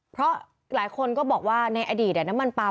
เพราะหลายคนก็บอกว่าในอดีตน้ำมันปลาม